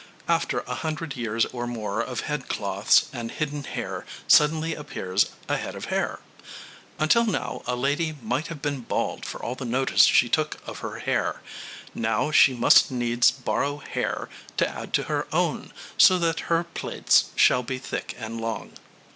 After a hundred years or more of headcloths and hidden hair suddenly appears a head of hair. Until now a lady might have been bald for all the notice she took of her hair; now she must needs borrow hair to add to her own, so that her plaits shall be thick and long.